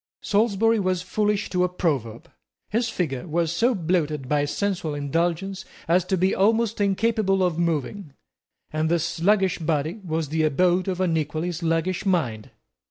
Salisbury was foolish to a proverb. His figure was so bloated by sensual indulgence as to be almost incapable of moving, and this sluggish body was the abode of an equally sluggish mind.